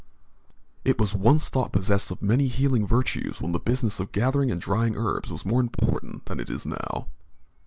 It was once thought possessed of many healing virtues when the business of gathering and drying herbs was more important than it is now.